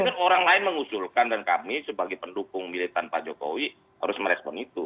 kemudian orang lain mengusulkan dan kami sebagai pendukung militan pak jokowi harus merespon itu